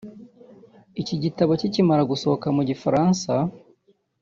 Iki gitabo kikimara gusohoka mu Gifaransa